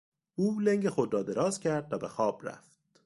او لنگ خود را دراز کرد و بهخواب رفت.